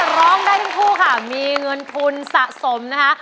ร้องได้ทั้งคู่ค่ะมีเงินทุนสะสมนะคะ